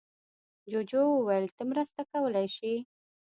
جوجو وویل ته مرسته کولی شې.